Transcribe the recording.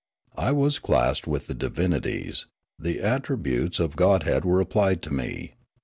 I was classed with the divinities ; the attributes of godhead were applied to me.